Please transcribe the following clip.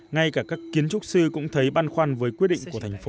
ngay cả các kiến trúc sư cũng thấy băn khoăn với quyết định của thành phố